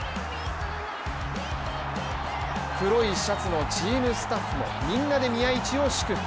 黒いシャツのチームスタッフもみんなで宮市を祝福！